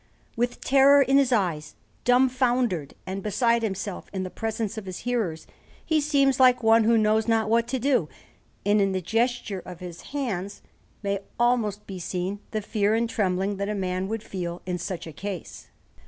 With terror in his eyes, dumbfoundered and beside himself in the presence of his hearers, he seems like one who knows not what to do; and in the gesture of his hands may almost be seen the fear and trembling that a man would feel in such a case.